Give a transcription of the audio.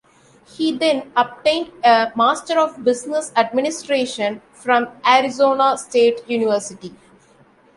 He then obtained a Master of Business Administration from Arizona State University.